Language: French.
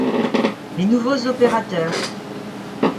Les Nouveaux Opérateurs.